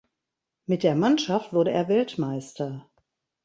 Mit der Mannschaft wurde er Weltmeister.